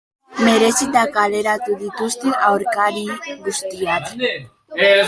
Merezita kaleratu dituzte aurkari guztiak.